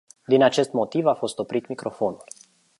Din acest motiv a fost oprit microfonul.